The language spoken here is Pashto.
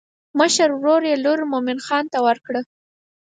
مشر ورور یې لور مومن خان ته ورکړه.